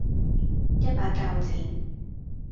一把鉸剪